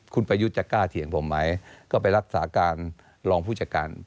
คุณประยุทธ์จะกล้าเถียงผมไหมก็ไปรักษาการรองผู้จัดการ